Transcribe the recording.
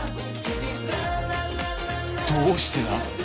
どうしてだ？